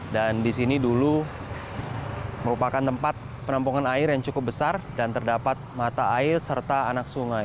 dan di sini dulu merupakan tempat penampungan air yang cukup besar dan terdapat mata air serta anak sungai